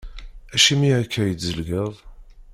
Acimi akka i tzelgeḍ?